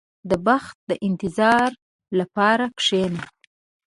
• د بخت د انتظار لپاره کښېنه.